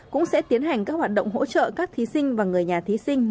cũng sẽ tiến hành các hoạt động hỗ trợ các thí sinh và người nhà thí sinh